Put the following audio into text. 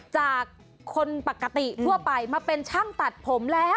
จากคนปกติทั่วไปมาเป็นช่างตัดผมแล้ว